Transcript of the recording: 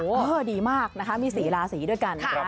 ดีมากนะคะมี๔ราศีด้วยกัน